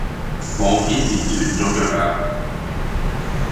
我幾時斷咗腳啊？